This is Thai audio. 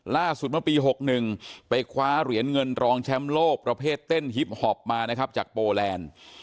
ล่าสุดเมื่อปี๖๑ไปคว้าเหรียญเงินรองแชมป์โลกประเภทเต้นฮิปฮอปมานะครับจากโปแลนด์